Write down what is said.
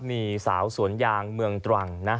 มีสาวสวนยางเมืองตรังนะ